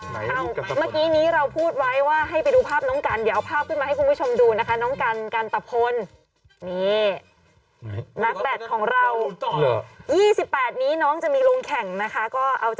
๖โมงเย็นเวลาประเทศไทยนี้คนนี้แอ้งจี้เขาเตือบมาก